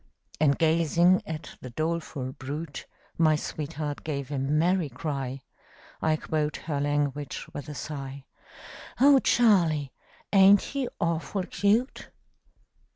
And gazing at the doleful brute My sweetheart gave a merry cry I quote her language with a sigh "O Charlie, ain't he awful cute?"